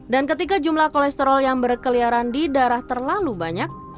dan ketika jumlah kolesterol yang berkeliaran di darah terlalu banyak